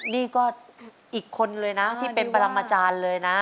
นี่ก็อีกคนเลยนะที่เป็นปรัมอาจารย์เลยนะ